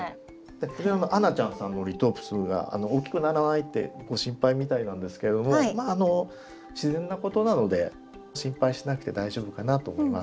あなちゃんさんのリトープスが大きくならないってご心配みたいなんですけどもあの自然なことなので心配しなくて大丈夫かなと思います。